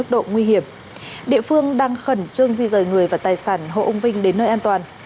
địa phương đang khẩn trương di rời người và tài sản hộ ông vinh đến nơi an toàn